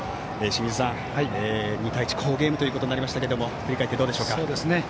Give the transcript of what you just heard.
清水さん、２対１の好ゲームとなりましたが振り返って、どうでしょうか。